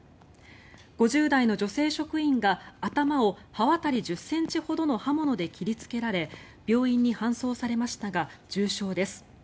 ５０代の女性職員が頭を刃渡り１０ｃｍほどの刃物で切りつけられ病院に搬送されましたが重傷です。